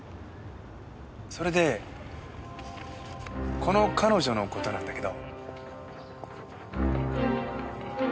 それでこの彼女の事なんだけど。